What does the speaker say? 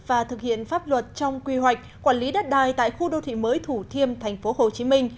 và thực hiện pháp luật trong quy hoạch quản lý đất đài tại khu đô thị mới thủ thiêm tp hcm